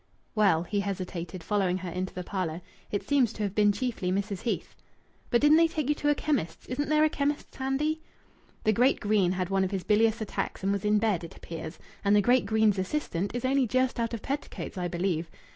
"Well," he hesitated, following her into the parlour, "it seems to have been chiefly Mrs. Heath." "But didn't they take you to a chemist's? Isn't there a chemist's handy?" "The great Greene had one of his bilious attacks and was in bed, it appears. And the great Greene's assistant is only just out of petticoats, I believe.